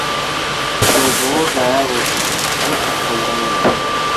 Долбоор даяр болчу, кол топтолгон эле.